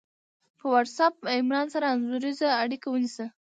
په وټس آپ عمران سره انځوریزه اړیکه ونیسه